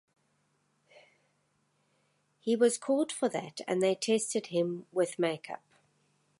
He was called for that and they tested him with makeup.